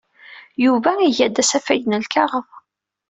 Yuba iga-d asafag n lkaɣeḍ.